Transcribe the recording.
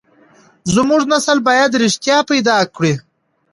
زموږ نسل بايد رښتيا پيدا کړي.